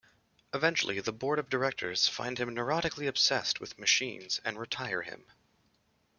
Eventually, the board of directors find him neurotically obsessed with machines and retire him.